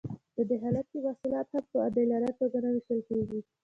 په دې حالت کې محصولات هم په عادلانه توګه نه ویشل کیږي.